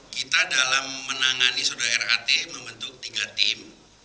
kita dalam menangani saudara rat membentuk tiga tim